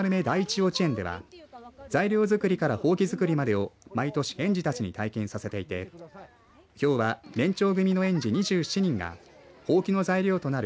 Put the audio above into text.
幼稚園では材料作りから、ほうき作りまでを毎年、園児たちに体験させていてきょうは年長組の園児２７人がほうきの材料となる